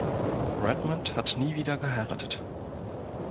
Redmond hat nie wieder geheiratet.